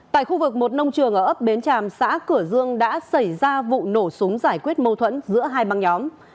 tại khu vực một nông trường ở ấp bến tràm xã cửa dương đã xảy ra vụ nổ súng giải quyết mâu thuẫn giữa hai băng nhóm